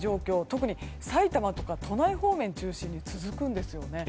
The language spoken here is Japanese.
特に埼玉とか都内方面中心に続くんですよね。